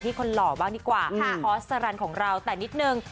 คนหล่อบ้างดีกว่าพี่พอสรรของเราแต่นิดนึง